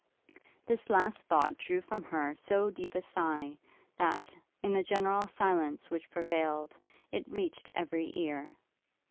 This last thought drew from her so deep a sigh, that, in the general silence which prevailed, it reached every ear.